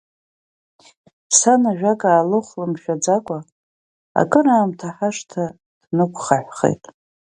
Сан ажәак аалыхәлмыршәаӡакәа, акыраамҭа ҳашҭа днықәхаҳәхеит.